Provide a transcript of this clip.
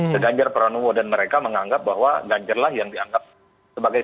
seganjar pranowo dan mereka menganggap bahwa ganjar lah yang dianggap sebagai